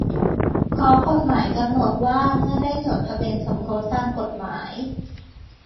เพราะกฎหมายกำหนดว่าเมื่อได้จดทะเบียนสมรสตามกฎหมาย